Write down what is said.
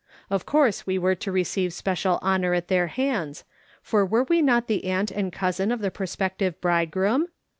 Of course we were to receive special honour at their hands, for were we not the aunt and cousin of the prospective bridegroom